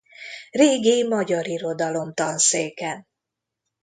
Régi Magyar Irodalom Tanszéken.